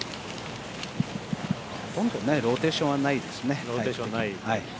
ほとんどローテーションはないですよね。